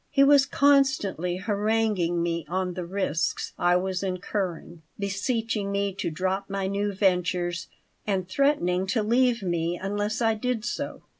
He was constantly haranguing me on the risks I was incurring, beseeching me to drop my new ventures, and threatening to leave me unless I did so.